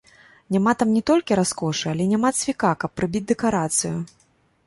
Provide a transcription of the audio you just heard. Няма там не толькі раскошы, але няма цвіка, каб прыбіць дэкарацыю.